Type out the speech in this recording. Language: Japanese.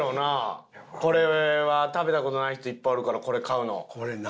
これは食べた事ない人いっぱいおるからこれ買うの。